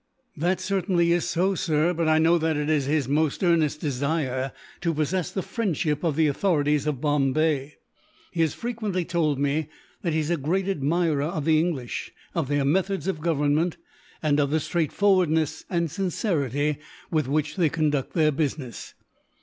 "That certainly is so, sir; but I know that it is his most earnest desire to possess the friendship of the authorities of Bombay. He has frequently told me that he is a great admirer of the English, of their methods of government, and of the straightforwardness and sincerity with which they conduct their business.